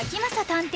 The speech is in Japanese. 探偵